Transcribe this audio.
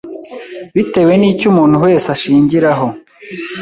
bitewe n’icyo umuntu wese ashingiraho